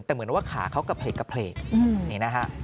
แต่เหมือนว่าขาเขากระเพลกนี่นะฮะ